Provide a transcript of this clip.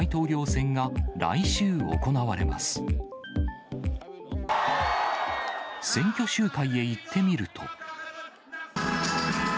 選挙集会へ行ってみると。